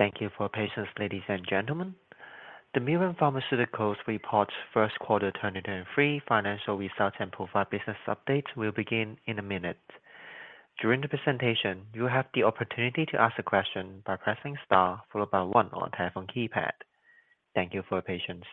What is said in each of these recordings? Thank you for your patience, ladies and gentlemen. The Mirum Pharmaceuticals Report 2023 Financial Results and Provide Business Update will begin in a minute. During the presentation, you have the opportunity to ask a question by pressing star followed by one on telephone keypad. Thank you for your patience.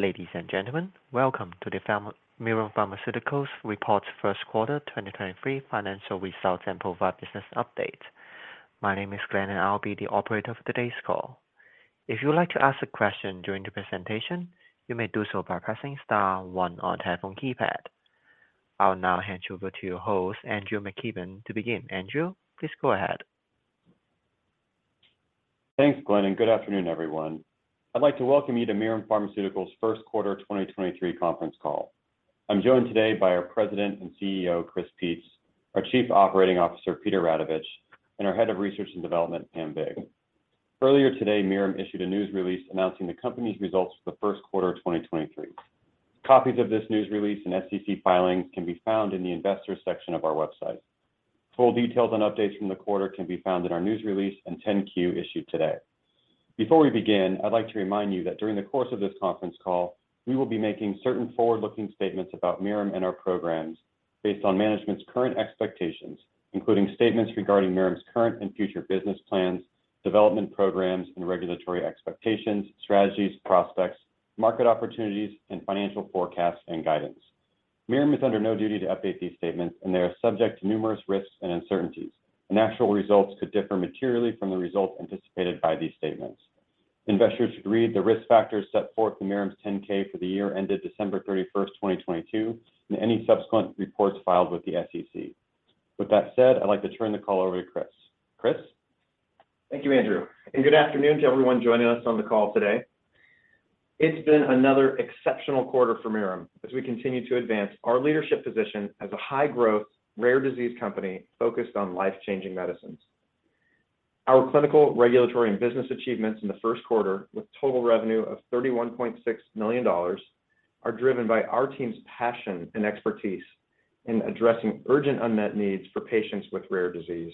Ladies and gentlemen, welcome to the Mirum Pharmaceuticals Report Q1 2023 Financial Results and Provide Business Update. My name is Glenn, and I'll be the operator for today's call. If you would like to ask a question during the presentation, you may do so by pressing star one on telephone keypad. I'll now hand you over to your host, Andrew McKibben, to begin. Andrew, please go ahead. Thanks, Glenn. Good afternoon, everyone. I'd like to welcome you to Mirum Pharmaceuticals Q1 2023 conference call. I'm joined today by our President and CEO, Chris Peetz, our Chief Operating Officer, Peter Radovich, and our Head of Research and Development, Pam Vig. Earlier today, Mirum issued a news release announcing the company's results for the Q1 of 2023. Copies of this news release and SEC filings can be found in the investors section of our website. Full details and updates from the quarter can be found in our news release and 10-Q issued today. Before we begin, I'd like to remind you that during the course of this conference call, we will be making certain forward-looking statements about Mirum and our programs based on management's current expectations, including statements regarding Mirum's current and future business plans, development programs and regulatory expectations, strategies, prospects, market opportunities, and financial forecasts and guidance. Mirum is under no duty to update these statements, and they are subject to numerous risks and uncertainties, and actual results could differ materially from the results anticipated by these statements. Investors should read the risk factors set forth in Mirum's 10-K for the year ended December 31st, 2022, and any subsequent reports filed with the SEC. With that said, I'd like to turn the call over to Chris. Chris. Thank you, Andrew. Good afternoon to everyone joining us on the call today. It's been another exceptional quarter for Mirum as we continue to advance our leadership position as a high-growth, rare disease company focused on life-changing medicines. Our clinical, regulatory, and business achievements in the Q1, with total revenue of $31.6 million, are driven by our team's passion and expertise in addressing urgent unmet needs for patients with rare disease.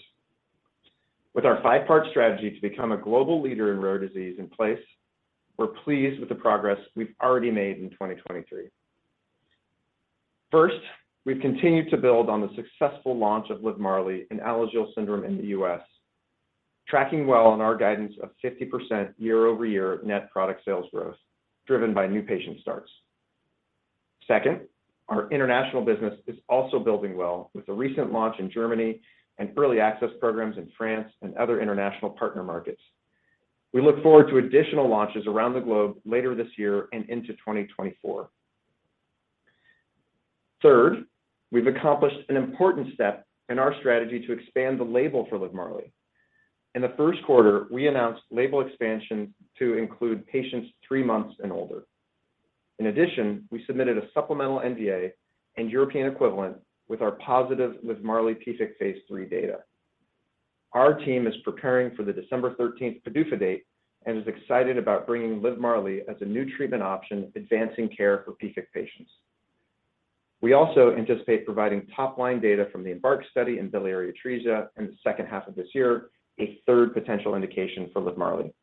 With our five-part strategy to become a global leader in rare disease in place, we're pleased with the progress we've already made in 2023. First, we've continued to build on the successful launch of Livmarli in Alagille syndrome in the U.S., tracking well on our guidance of 50% year-over-year net product sales growth driven by new patient starts. Second, our international business is also building well with the recent launch in Germany and early access programs in France and other international partner markets. We look forward to additional launches around the globe later this year and into 2024. Third, we've accomplished an important step in our strategy to expand the label for Livmarli. In the Q1, we announced label expansion to include patients 3 months and older. In addition, we submitted a supplemental NDA and European equivalent with our positive Livmarli PFIC phase III data. Our team is preparing for the December 13th PDUFA date and is excited about bringing Livmarli as a new treatment option, advancing care for PFIC patients. We also anticipate providing top-line data from the EMBARK study in biliary atresia in the second half of this year, a third potential indication for Livmarli.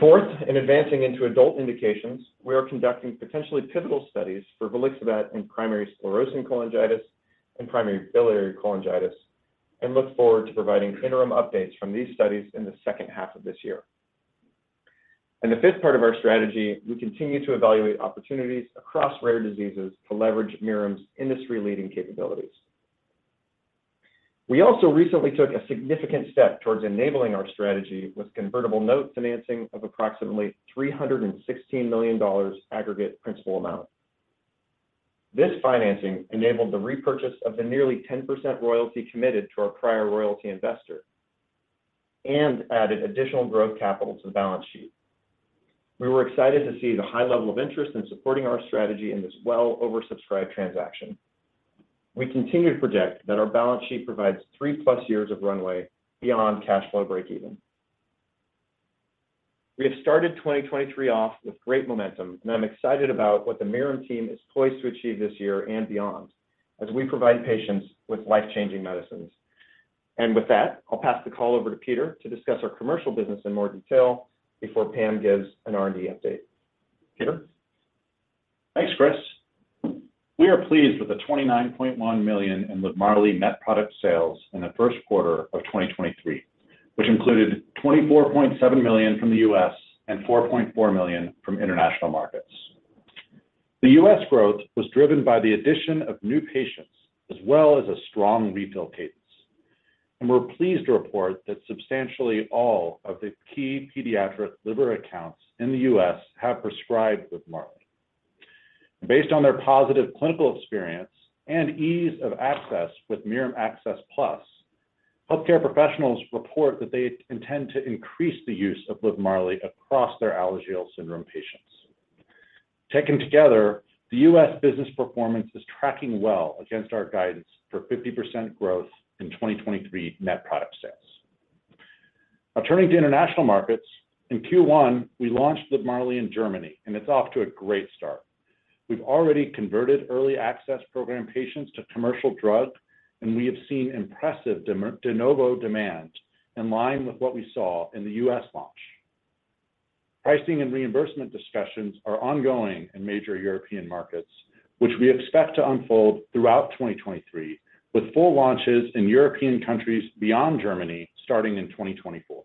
Fourth, in advancing into adult indications, we are conducting potentially pivotal studies for volixibat in Primary Sclerosing Cholangitis and Primary Biliary Cholangitis and look forward to providing interim updates from these studies in the second half of this year. In the fifth part of our strategy, we continue to evaluate opportunities across rare diseases to leverage Mirum's industry-leading capabilities. We also recently took a significant step towards enabling our strategy with convertible note financing of approximately $316 million aggregate principal amount. This financing enabled the repurchase of the nearly 10% royalty committed to our prior royalty investor and added additional growth capital to the balance sheet. We were excited to see the high level of interest in supporting our strategy in this well oversubscribed transaction. We continue to project that our balance sheet provides 3+ years of runway beyond cash flow breakeven. We have started 2023 off with great momentum, and I'm excited about what the Mirum team is poised to achieve this year and beyond as we provide patients with life-changing medicines. With that, I'll pass the call over to Peter to discuss our commercial business in more detail before Pam gives an R&D update. Peter. Thanks, Chris. We are pleased with the $29.1 million in Livmarli net product sales in the Q1 of 2023, which included $24.7 million from the US and $4.4 million from international markets. The US growth was driven by the addition of new patients as well as a strong retail cadence. We're pleased to report that substantially all of the key pediatric liver accounts in the US have prescribed Livmarli. Based on their positive clinical experience and ease of access with Mirum Access Plus, healthcare professionals report that they intend to increase the use of Livmarli across their Alagille syndrome patients. Taken together, the US business performance is tracking well against our guidance for 50% growth in 2023 net product sales. Turning to international markets. In Q1, we launched Livmarli in Germany, and it's off to a great start. We've already converted early access program patients to commercial drug. We have seen impressive de novo demand in line with what we saw in the U.S. launch. Pricing and reimbursement discussions are ongoing in major European markets, which we expect to unfold throughout 2023, with full launches in European countries beyond Germany starting in 2024.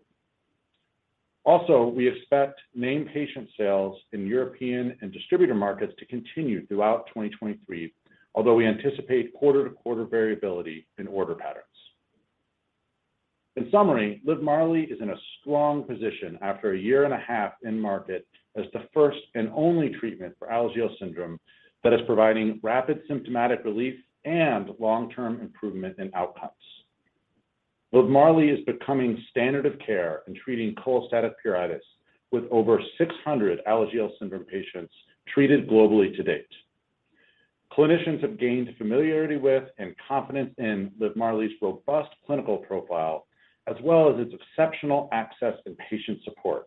We expect name patient sales in European and distributor markets to continue throughout 2023, although we anticipate quarter-to-quarter variability in order patterns. In summary, Livmarli is in a strong position after a year and a half in market as the first and only treatment for Alagille syndrome that is providing rapid symptomatic relief and long-term improvement in outcomes. Livmarli is becoming standard of care in treating cholestatic pruritus with over 600 Alagille syndrome patients treated globally to date. Clinicians have gained familiarity with and confidence in Livmarli's robust clinical profile, as well as its exceptional access and patient support.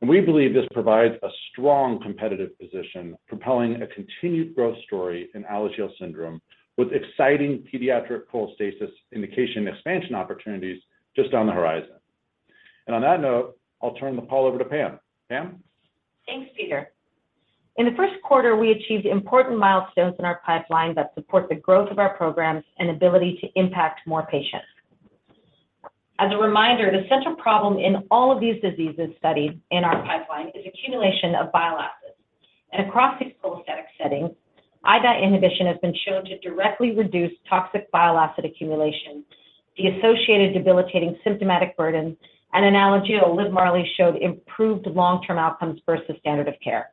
We believe this provides a strong competitive position, propelling a continued growth story in Alagille syndrome with exciting pediatric cholestasis indication expansion opportunities just on the horizon. On that note, I'll turn the call over to Pam. Pam? Thanks, Peter. In the 1st quarter, we achieved important milestones in our pipeline that support the growth of our programs and ability to impact more patients. As a reminder, the central problem in all of these diseases studied in our pipeline is accumulation of bile acids. Across these cholestatic settings, IBAT inhibition has been shown to directly reduce toxic bile acid accumulation, the associated debilitating symptomatic burden. In Alagille, Livmarli showed improved long-term outcomes versus standard of care.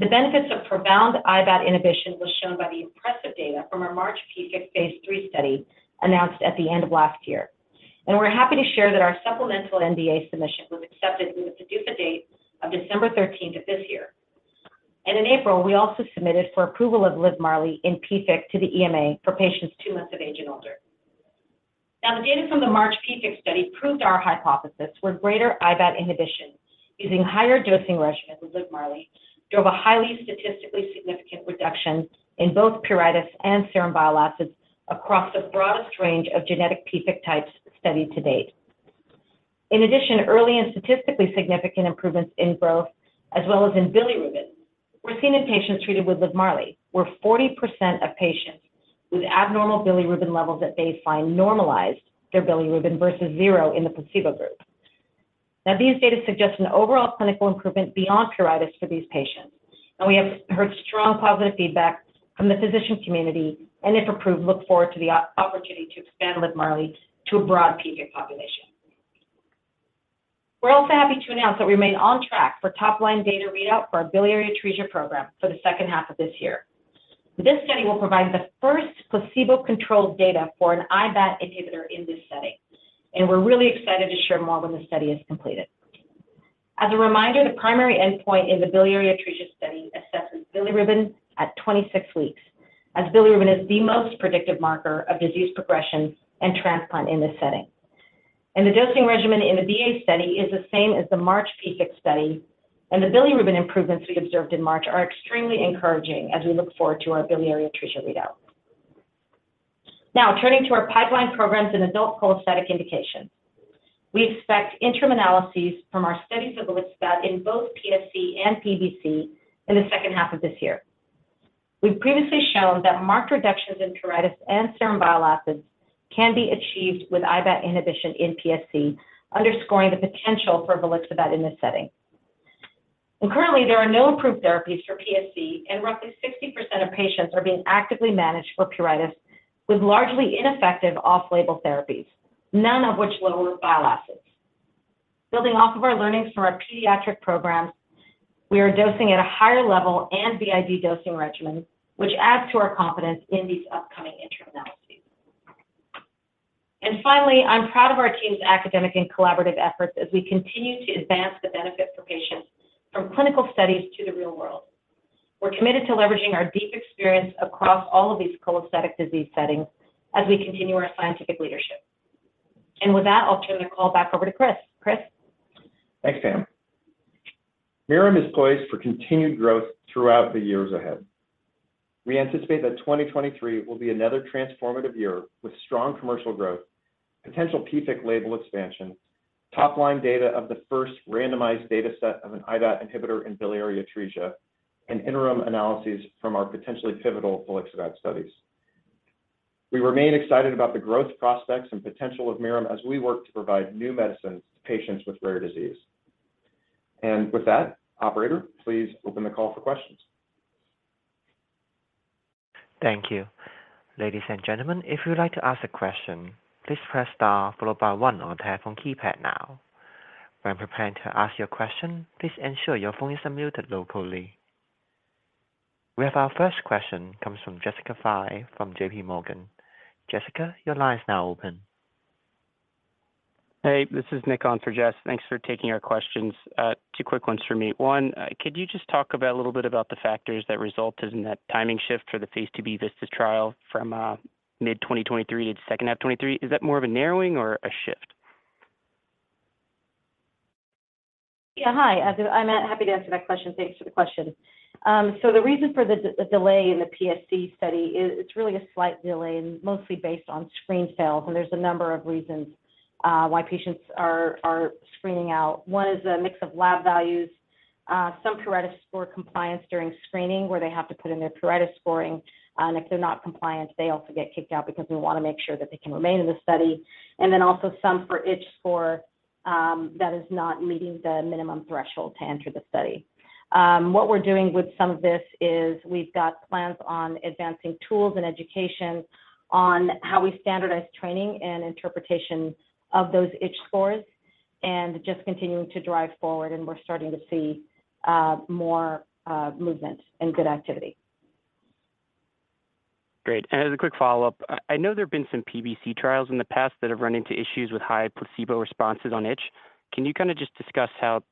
The benefits of profound IBAT inhibition was shown by the impressive data from our MARCH-PFIC phase III study announced at the end of last year. We're happy to share that our supplemental NDA submission was accepted with the due date of December 13th of this year. In April, we also submitted for approval of Livmarli in PFIC to the EMA for patients 2 months of age and older. The data from the MARCH-PFIC study proved our hypothesis, where greater IBAT inhibition using higher dosing regimens with Livmarli drove a highly statistically significant reduction in both pruritus and serum bile acids across the broadest range of genetic PFIC types studied to date. Early and statistically significant improvements in growth as well as in bilirubin were seen in patients treated with Livmarli, where 40% of patients with abnormal bilirubin levels at baseline normalized their bilirubin versus 0 in the placebo group. These data suggest an overall clinical improvement beyond pruritus for these patients, and we have heard strong positive feedback from the physician community, and if approved, look forward to the opportunity to expand Livmarli to a broad PFIC population. We're also happy to announce that we remain on track for top-line data readout for our biliary atresia program for the second half of this year. This study will provide the first placebo-controlled data for an IBAT inhibitor in this setting. We're really excited to share more when the study is completed. As a reminder, the primary endpoint in the biliary atresia study assesses bilirubin at 26 weeks, as bilirubin is the most predictive marker of disease progression and transplant in this setting. The dosing regimen in the BA study is the same as the MARCH-PFIC study. The bilirubin improvements we observed in MARCH-PFIC are extremely encouraging as we look forward to our biliary atresia readout. Now turning to our pipeline programs in adult cholestatic indication. We expect interim analyses from our studies of volixibat in both PSC and PBC in the second half of this year. We've previously shown that marked reductions in pruritus and serum bile acids can be achieved with IBAT inhibition in PSC, underscoring the potential for volixibat in this setting. Currently, there are no approved therapies for PSC, and roughly 60% of patients are being actively managed for pruritus with largely ineffective off-label therapies, none of which lower bile acids. Building off of our learnings from our pediatric programs, we are dosing at a higher level and BID dosing regimens, which adds to our confidence in these upcoming interim analyses. Finally, I'm proud of our team's academic and collaborative efforts as we continue to advance the benefit for patients from clinical studies to the real world. We're committed to leveraging our deep experience across all of these cholestatic disease settings as we continue our scientific leadership. With that, I'll turn the call back over to Chris. Chris? Thanks, Pam. Mirum is poised for continued growth throughout the years ahead. We anticipate that 2023 will be another transformative year with strong commercial growth. Potential PFIC label expansion, top-line data of the first randomized data set of an IBAT inhibitor in biliary atresia, and interim analyses from our potentially pivotal volixibat studies. We remain excited about the growth prospects and potential of Mirum as we work to provide new medicines to patients with rare disease. With that, operator, please open the call for questions. Thank you. Ladies and gentlemen, if you'd like to ask a question, please press star followed by one on your telephone keypad now. When preparing to ask your question, please ensure your phone is unmuted locally. We have our first question comes from Jessica Fye from J.P. Morgan. Jessica, your line is now open. Hey, this is Nick on for Jess. Thanks for taking our questions. two quick ones for me. One, could you just talk about a little bit about the factors that resulted in that timing shift for the phase IIb VISTAS trial from mid-2023 to second half 2023? Is that more of a narrowing or a shift? Yeah. Hi. I'm happy to answer that question. Thanks for the question. The reason for the delay in the PSC study is it's really a slight delay and mostly based on screen fails, there's a number of reasons why patients are screening out. One is a mix of lab values, some pruritus score compliance during screening, where they have to put in their pruritus scoring. If they're not compliant, they also get kicked out because we wanna make sure that they can remain in the study. Also some for itch score that is not meeting the minimum threshold to enter the study. What we're doing with some of this is we've got plans on advancing tools and education on how we standardize training and interpretation of those itch scores and just continuing to drive forward, and we're starting to see more movement and good activity. Great. As a quick follow-up, I know there have been some PBC trials in the past that have run into issues with high placebo responses on itch. Can you kinda just discuss how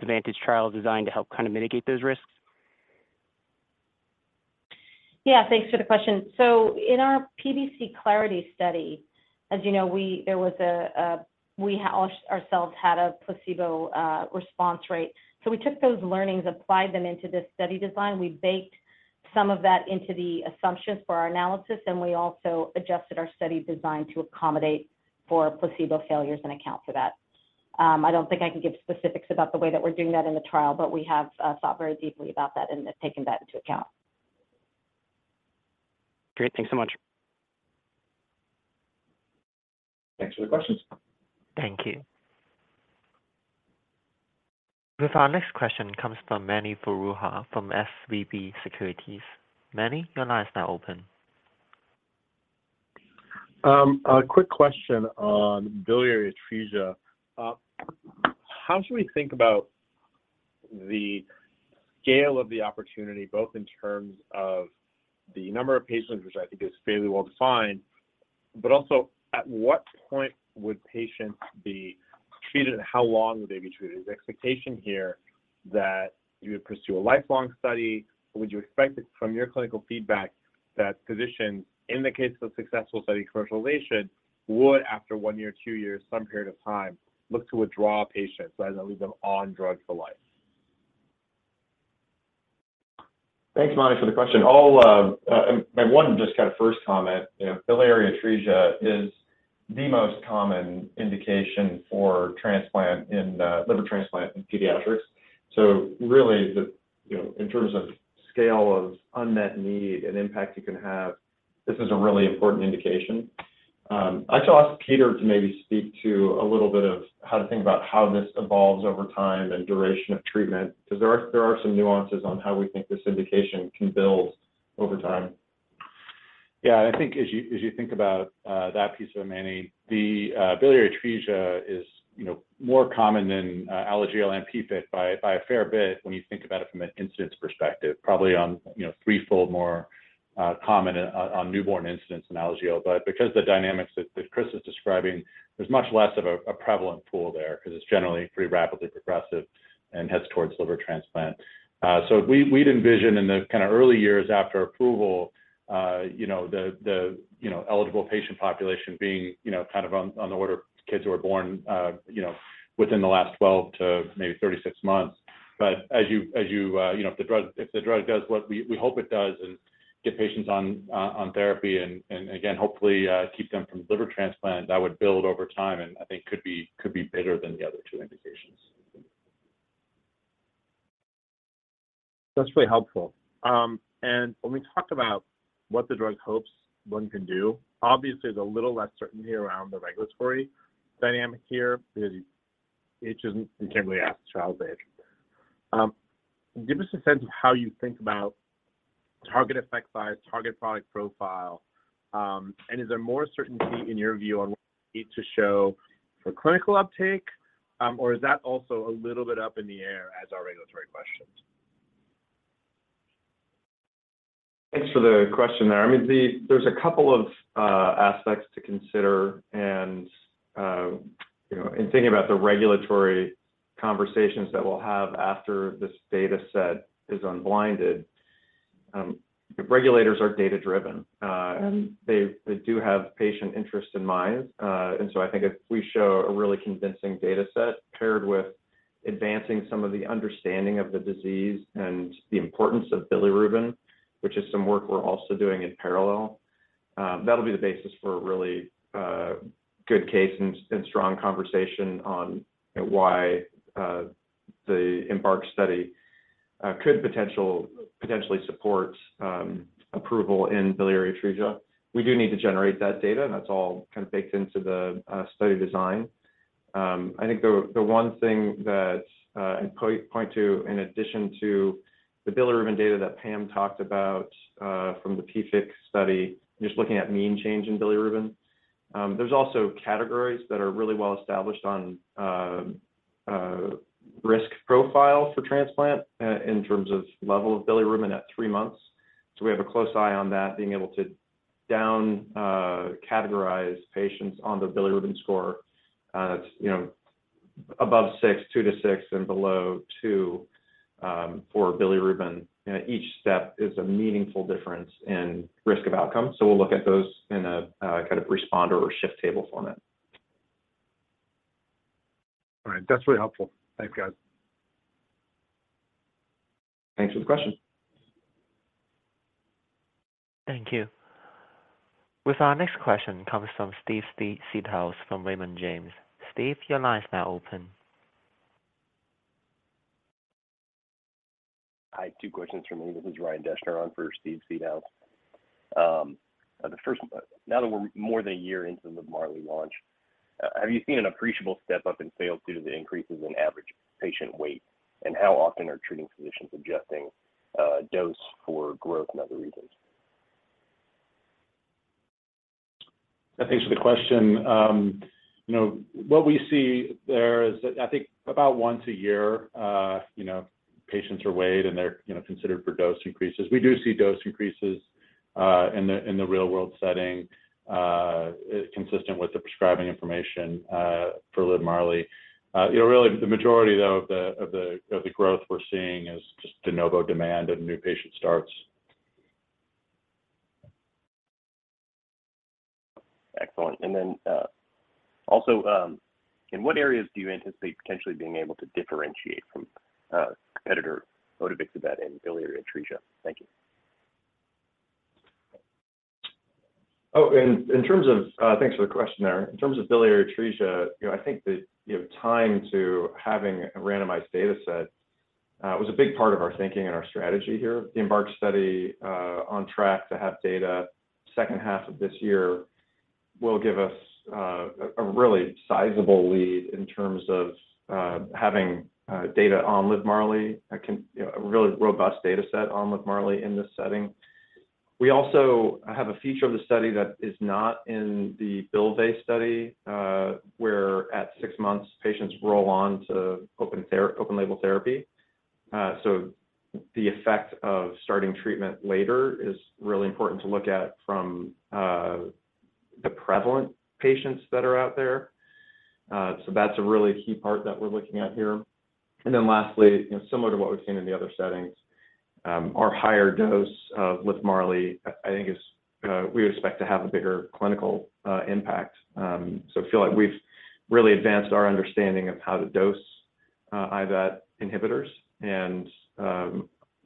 the VANTAGE trial is designed to help kinda mitigate those risks? Yeah. Thanks for the question. In our PBC CLARITY study, as you know, we ourselves had a placebo response rate. We took those learnings, applied them into this study design. We baked some of that into the assumptions for our analysis, and we also adjusted our study design to accommodate for placebo failures and account for that. I don't think I can give specifics about the way that we're doing that in the trial, but we have thought very deeply about that and have taken that into account. Great. Thanks so much. Thanks for the questions. Thank you. With our next question comes from Mani Foroohar from SVB Securities. Mani, your line is now open. A quick question on biliary atresia. How should we think about the scale of the opportunity, both in terms of the number of patients, which I think is fairly well-defined, but also at what point would patients be treated, and how long would they be treated? Is the expectation here that you would pursue a lifelong study? Would you expect it from your clinical feedback that physicians, in the case of a successful study commercialization, would after 1 year, 2 years, some period of time, look to withdraw patients rather than leave them on drugs for life? Thanks, Mani, for the question. I'll My one just kinda first comment, you know, biliary atresia is the most common indication for transplant in liver transplant in pediatrics. Really the, you know, in terms of scale of unmet need and impact it can have, this is a really important indication. I should ask Peter to maybe speak to a little bit of how to think about how this evolves over time and duration of treatment because there are some nuances on how we think this indication can build over time. I think as you, as you think about that piece of it, Mani, the biliary atresia is, you know, more common than ALGS and PFIC by a fair bit when you think about it from an incidence perspective, probably on, you know, threefold more common on newborn incidence than ALGS. Because the dynamics that Chris is describing, there's much less of a prevalent pool there 'cause it's generally pretty rapidly progressive and heads towards liver transplant. So we'd envision in the kinda early years after approval, you know, the, you know, eligible patient population being, you know, kind of on the order of kids who are born, you know, within the last 12 to maybe 36 months. As you know, if the drug does what we hope it does and get patients on therapy and again, hopefully, keep them from liver transplant, that would build over time and I think could be bigger than the other two indications. That's really helpful. When we talk about what the drug hopes one can do, obviously there's a little less certainty around the regulatory dynamic here because you can't really ask trial stage. Give us a sense of how you think about target effect size, target product profile, and is there more certainty in your view on what you need to show for clinical uptake, or is that also a little bit up in the air as are regulatory questions? Thanks for the question there. I mean, there's a couple of aspects to consider and, you know, in thinking about the regulatory conversations that we'll have after this data set is unblinded. Regulators are data-driven. They do have patient interest in mind. I think if we show a really convincing data set paired with advancing some of the understanding of the disease and the importance of bilirubin, which is some work we're also doing in parallel, that'll be the basis for a really good case and strong conversation on why the EMBARK study could potentially support approval in biliary atresia. We do need to generate that data, and that's all kind of baked into the study design. I think the one thing that I'd point to in addition to the bilirubin data that Pam talked about from the PFIC study, just looking at mean change in bilirubin. There's also categories that are really well established on risk profile for transplant in terms of level of bilirubin at three months. We have a close eye on that, being able to down categorize patients on the bilirubin score. That's, you know, above 6, 2-6, and below two for bilirubin. You know, each step is a meaningful difference in risk of outcome. We'll look at those in a kind of responder or shift table format. All right. That's really helpful. Thanks, guys. Thanks for the question. Thank you. With our next question comes from Steve Seedhouse from Raymond James. Steve, your line is now open. Hi. Two questions from me. This is Ryan Deschner on for Steve Seedhouse. The first one, now that we're more than a year into the Livmarli launch, have you seen an appreciable step-up in sales due to the increases in average patient weight? How often are treating physicians adjusting, dose for growth and other reasons? Thanks for the question. You know, what we see there is I think about once a year, patients are weighed and they're, you know, considered for dose increases. We do see dose increases in the real-world setting, consistent with the prescribing information for Livmarli. You know, really the majority though of the growth we're seeing is just de novo demand and new patient starts. Excellent. Also, in what areas do you anticipate potentially being able to differentiate from competitor odevixibat in biliary atresia? Thank you. Thanks for the question there. In terms of biliary atresia, you know, I think that, you know, time to having a randomized data set was a big part of our thinking and our strategy here. The EMBARK study on track to have data second half of this year will give us a really sizable lead in terms of having data on Livmarli, a really robust data set on Livmarli in this setting. We also have a feature of the study that is not in the bill-based study, where at six months, patients roll on to open label therapy. The effect of starting treatment later is really important to look at from the prevalent patients that are out there. That's a really key part that we're looking at here. Lastly, you know, similar to what we've seen in the other settings, our higher dose of Livmarli, I think is, we expect to have a bigger clinical impact. I feel like we've really advanced our understanding of how to dose IBAT inhibitors and,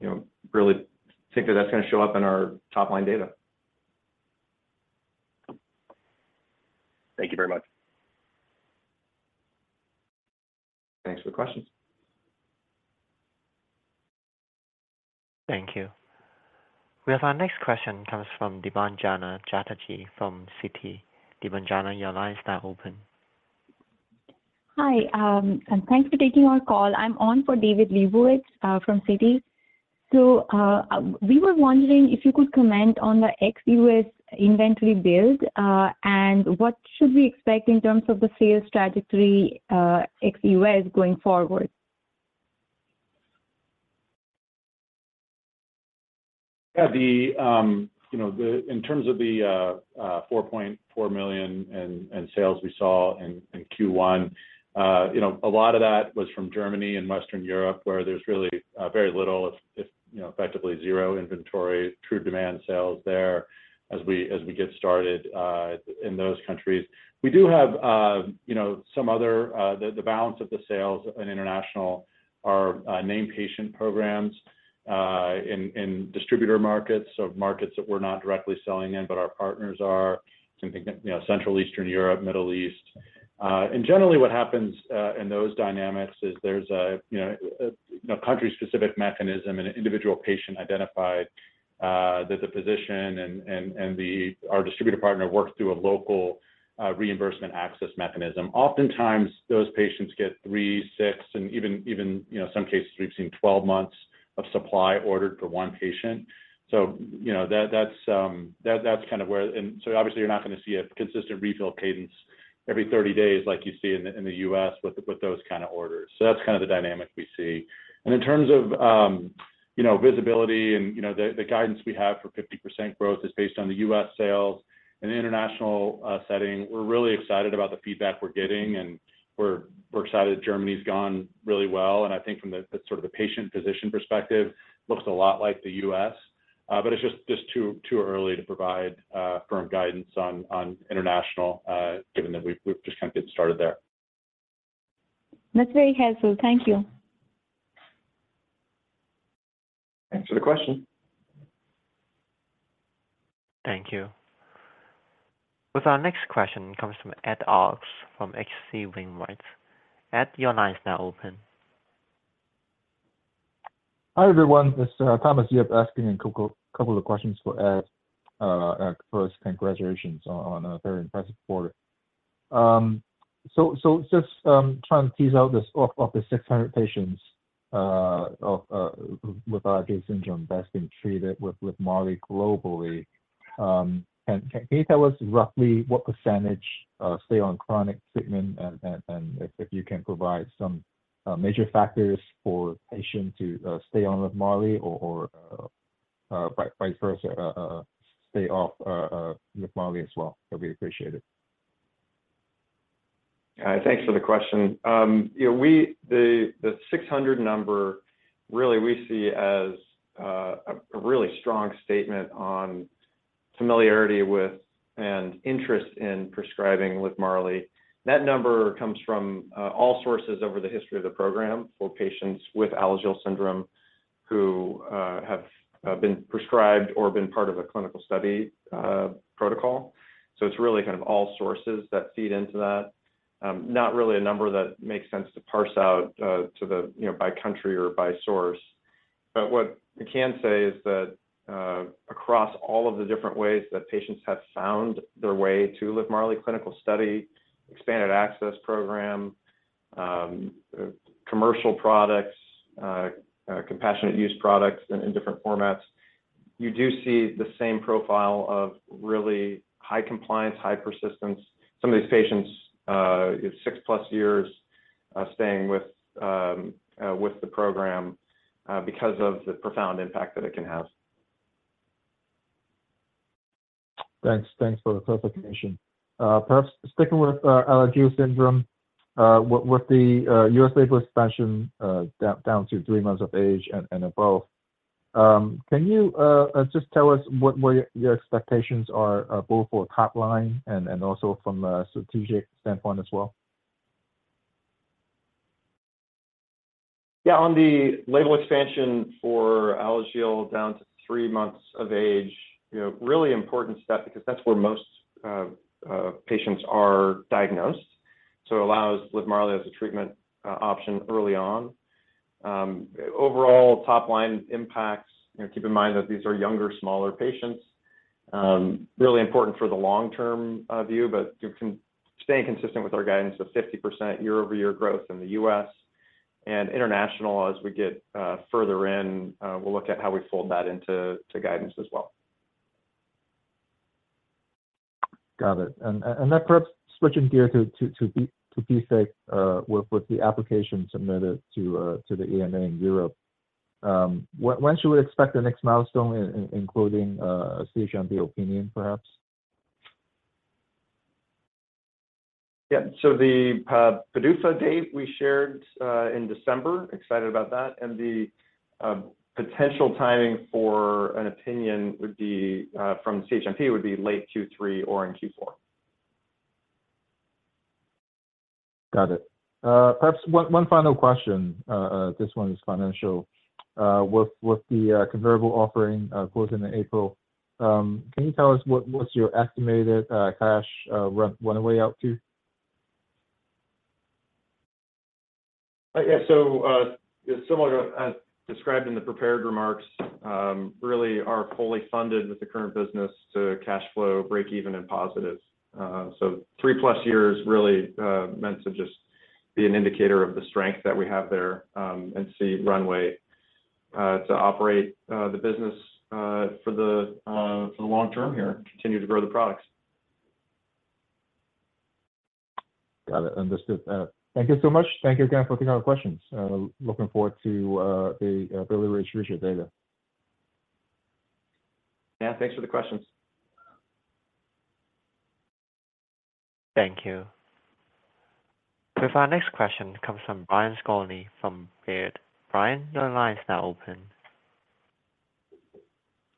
you know, really think that that's gonna show up in our top-line data. Thank you very much. Thanks for the question. Thank you. We have our next question comes from Debanjana Chatterjee from Citi. Debanjana, your line is now open. Hi, and thanks for taking our call. I'm on for David Lebowitz from Citi. We were wondering if you could comment on the ex-US inventory build, and what should we expect in terms of the sales trajectory ex-US going forward? Yeah. The, you know, In terms of the $4.4 million in sales we saw in Q1, you know, a lot of that was from Germany and Western Europe, where there's really very little, if, you know, effectively zero inventory, true demand sales there as we get started in those countries. We do have, you know, some other, the balance of the sales in international are named patient programs in distributor markets, so markets that we're not directly selling in, but our partners are. Think of, you know, Central Eastern Europe, Middle East. Generally what happens in those dynamics is there's a, you know, a country-specific mechanism and an individual patient identified that the physician and our distributor partner works through a local reimbursement access mechanism. Oftentimes, those patients get 3, 6, and even, you know, some cases we've seen 12 months of supply ordered for 1 patient. You know, that's kind of where. Obviously you're not gonna see a consistent refill cadence every 30 days like you see in the U.S. with those kind of orders. That's kind of the dynamic we see. In terms of, you know, visibility and, you know, the guidance we have for 50% growth is based on the U.S. sales. In the international setting, we're really excited about the feedback we're getting, and we're excited Germany's gone really well. I think from the sort of the patient-physician perspective, looks a lot like the US. It's just too early to provide firm guidance on international, given that we've just kind of getting started there. That's very helpful. Thank you. Thanks for the question. Thank you. With our next question comes from Ed Arce from H.C. Wainwright. Ed, your line is now open. Hi, everyone. This is Thomas Yip asking a couple of questions for Ed. First, congratulations on a very impressive quarter. Just trying to tease out this. Of the 600 patients with Alagille syndrome that's been treated with Livmarli globally, can you tell us roughly what % stay on chronic treatment and if you can provide some major factors for patients to stay on with Livmarli or vice versa, stay off with Livmarli as well? That'd be appreciated. Thanks for the question. you know, the 600 number really we see as a really strong statement on familiarity with and interest in prescribing with Livmarli. That number comes from all sources over the history of the program for patients with Alagille syndrome who have been prescribed or been part of a clinical study protocol. It's really kind of all sources that feed into that. Not really a number that makes sense to parse out to the, you know, by country or by source. What I can say is that across all of the different ways that patients have found their way to Livmarli, clinical study, expanded access program, commercial products, compassionate use products in different formats, you do see the same profile of really high compliance, high persistence. Some of these patients, 6+ years, staying with the program, because of the profound impact that it can have. Thanks. Thanks for the clarification. Perhaps sticking with Alagille syndrome, with the U.S. label expansion down to three months of age and above, can you just tell us what your expectations are both for top line and also from a strategic standpoint as well? On the label expansion for ALGS down to three months of age, you know, really important step because that's where most patients are diagnosed. It allows Livmarli as a treatment option early on. Overall top-line impacts, you know, keep in mind that these are younger, smaller patients. Really important for the long-term view, but staying consistent with our guidance of 50% year-over-year growth in the US and international as we get further in, we'll look at how we fold that into guidance as well. Got it. Perhaps switching gear to PFIC with the application submitted to the EMA in Europe, when should we expect the next milestone including CHMP opinion, perhaps? Yeah. The PDUFA date we shared in December, excited about that. The potential timing for an opinion would be from CHMP would be late Q3 or in Q4. Got it. Perhaps one final question. This one is financial. With the convertible offering, closed in April, can you tell us what's your estimated cash runway out to? Similar to as described in the prepared remarks, really are fully funded with the current business to cash flow, break even and positive. 3+ years really meant to just be an indicator of the strength that we have there, and see runway to operate the business for the long term here and continue to grow the products. Got it. Understood. Thank you so much. Thank you again for taking our questions. Looking forward to the biliary atresia data. Yeah. Thanks for the questions. Thank you. With our next question comes from Brian Skorney from Baird. Brian, your line is now open.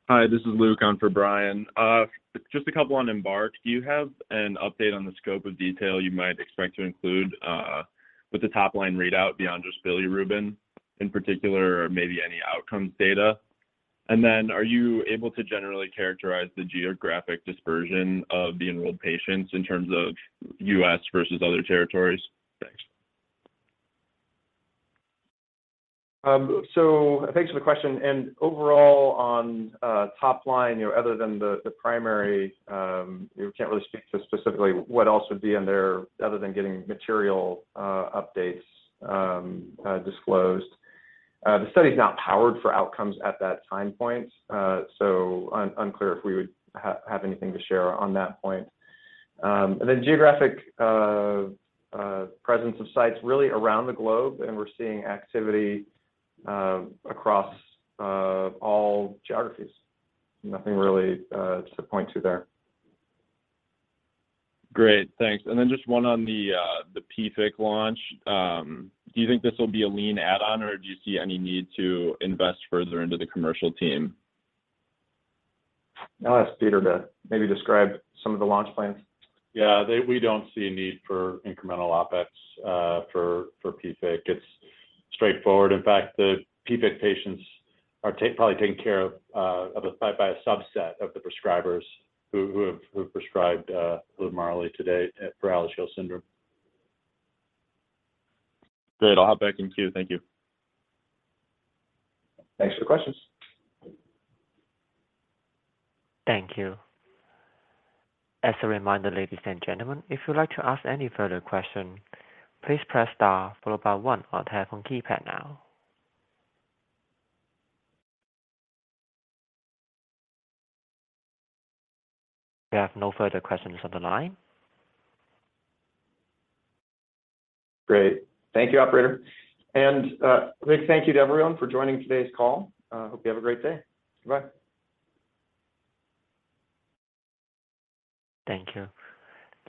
Hi, this is Luke on for Brian. Just a couple on EMBARK. Do you have an update on the scope of detail you might expect to include, with the top-line readout beyond just bilirubin in particular or maybe any outcomes data? Then are you able to generally characterize the geographic dispersion of the enrolled patients in terms of US versus other territories? Thanks. Thanks for the question. Overall, on top line, you know, other than the primary, we can't really speak to specifically what else would be in there other than getting material updates disclosed. The study is not powered for outcomes at that time point, unclear if we would have anything to share on that point. Geographic presence of sites really around the globe, and we're seeing activity across all geographies. Nothing really to point to there. Great. Thanks. Just one on the PFIC launch. Do you think this will be a lean add-on, or do you see any need to invest further into the commercial team? I'll ask Peter to maybe describe some of the launch plans. Yeah. We don't see a need for incremental OpEx for PFIC. It's straightforward. In fact, the PFIC patients are probably taken care of a, by a subset of the prescribers who have prescribed Livmarli today for Alagille syndrome. Great. I'll hop back in queue. Thank you. Thanks for the questions. Thank you. As a reminder, ladies and gentlemen, if you'd like to ask any further question, please press star followed by one on telephone keypad now. We have no further questions on the line. Great. Thank you, operator. Big thank you to everyone for joining today's call. Hope you have a great day. Goodbye. Thank you.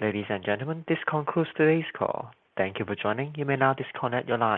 Ladies and gentlemen, this concludes today's call. Thank you for joining. You may now disconnect your lines.